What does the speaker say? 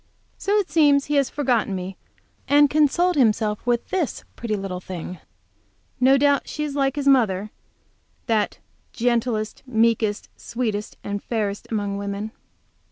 So it seems he has forgotten me, and consoled himself with this pretty little thing. No doubt she is like his mother, that "gentlest, meekest, sweetest and fairest among women!"